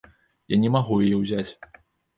Я не магу яе ўзяць.